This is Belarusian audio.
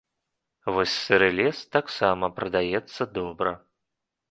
Вось сыры лес таксама прадаецца добра.